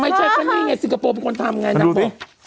ไม่ใช่ก็นี่ไงสิงคโปร์เป็นคนทำไงนางบอก